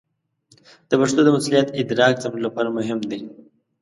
د پښتو د مسوولیت ادراک زموږ لپاره مهم دی.